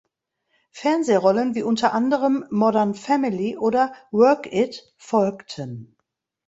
Fernsehrollen wie unter anderem "Modern Family" oder "Work it" folgten.